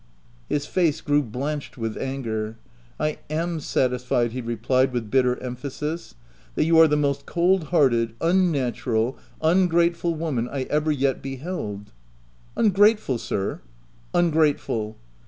His face grew blanched with anger. " I am satisfied," he replied with bitter em phasis, " that you are the most cold hearted, unnatural, ungrateful woman I ever yet be held I* " Ungrateful sir ?"" Ungrateful."